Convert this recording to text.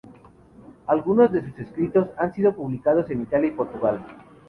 Algunos de sus escritos han sido publicados en Italia y Portugal.